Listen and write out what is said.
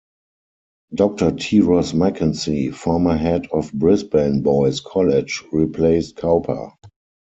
Doctor T Ross McKenzie, former head of Brisbane Boys' College, replaced Couper.